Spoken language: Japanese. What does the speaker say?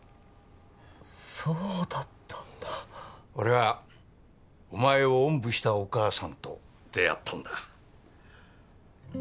そうだったんだ俺はお前をおんぶしたお母さんと出会ったんだ